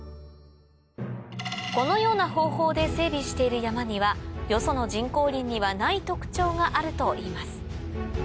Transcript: このような方法で整備している山にはよその人工林にはない特徴があるといいます